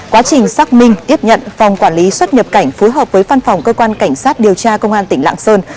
quá trình xác minh tiếp nhận phòng quản lý xuất nhập cảnh phối hợp với phân phòng cơ quan cảnh sát điều tra công an tỉnh lạng sơn